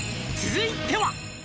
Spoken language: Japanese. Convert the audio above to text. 「続いては」